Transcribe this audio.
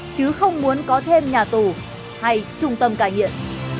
chứ không muốn có thêm nhà tù hay trung tâm cai nghiện